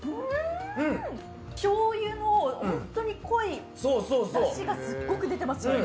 しょうゆの本当に濃いだしがすごく出ていますよね。